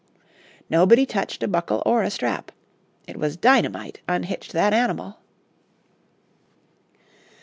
Nobody touched a buckle or a strap. It was dynamite unhitched that animal."